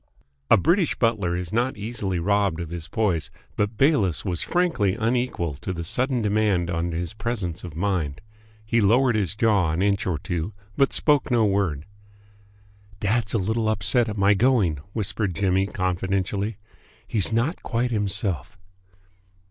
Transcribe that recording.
A British butler is not easily robbed of his poise, but Bayliss was frankly unequal to the sudden demand on his presence of mind. He lowered his jaw an inch or two, but spoke no word. "Dad's a little upset at my going," whispered Jimmy confidentially. "He's not quite himself."